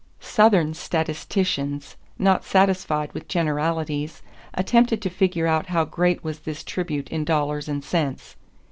Southern statisticians, not satisfied with generalities, attempted to figure out how great was this tribute in dollars and cents.